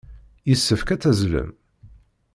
Yessefk ad tazzlem.